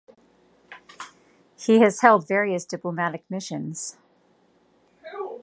He has held various diplomatic missions.